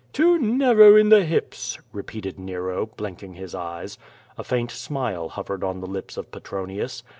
^' "Too narrow in the hips,'* repeated Nero, blinking his eyes. A faint smile hovered on the lips of Petronius.